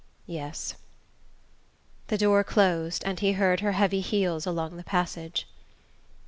"Yes." The door closed, and he heard her heavy heels along the passage.